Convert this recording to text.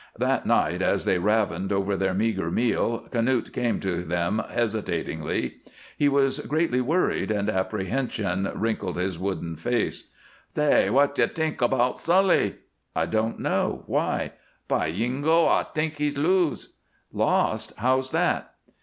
That night, as they ravened over their meager meal, Knute came to them, hesitatingly. He was greatly worried and apprehension wrinkled his wooden face. "Saay! W'at you t'ink 'bout Sully?" "I don't know. Why?" "By yingo, ay t'ink he's lose!" "Lost! How's that?"